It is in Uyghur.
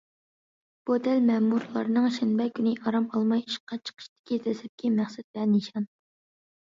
بۇ دەل مەمۇرلارنىڭ شەنبە كۈنى ئارام ئالماي ئىشقا چىقىشتىكى دەسلەپكى مەقسەت ۋە نىشان.